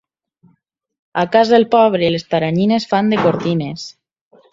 A casa del pobre les teranyines fan de cortines.